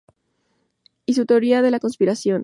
Y su "Teoría de la conspiración.